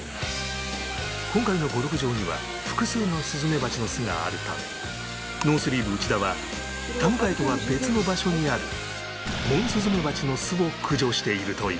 今回のゴルフ場には複数のスズメバチの巣があるためノースリーブ内田は田迎とは別の場所にあるモンスズメバチの巣を駆除しているという